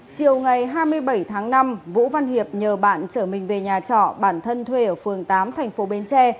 chiều ngày hai mươi bảy tháng năm vũ văn hiệp nhờ bạn trở mình về nhà trọ bản thân thuê ở phường tám tp bến tre